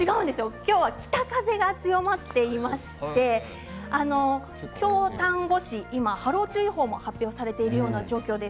今日は北風が強まっていまして京丹後市、波浪注意報も発表されているような状況です。